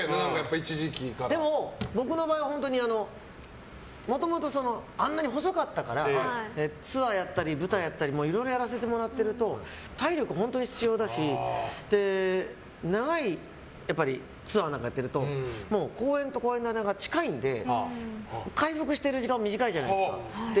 僕の場合はもともとあんなに細かったからツアーをやったり舞台をやったりいろいろやらせてもらってると体力本当に必要だし長いツアーなんかやってると公演と公演の間が近いので回復してる時間も短いじゃないですか。